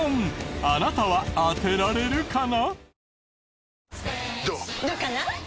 あなたは当てられるかな？